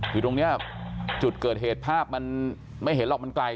คือตรงนี้จุดเกิดเหตุภาพมันไม่เห็นหรอกมันไกล